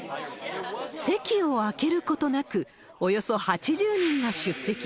席を空けることなく、およそ８０人が出席。